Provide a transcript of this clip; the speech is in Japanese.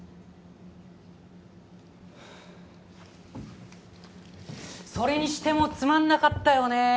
ハァそれにしてもつまんなかったよね